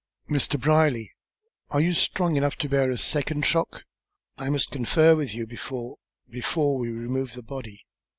"Mr. Brierly, are you strong enough to bear a second shock? I must confer with you before before we remove the body."